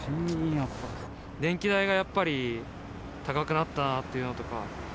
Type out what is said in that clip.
電気代がやっぱり高くなったなっていうのとか。